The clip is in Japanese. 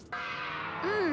うん。